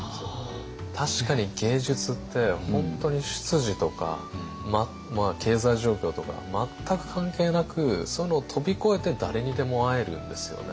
確かに芸術って本当に出自とか経済状況とか全く関係なくそういうのを飛び越えて誰にでも会えるんですよね。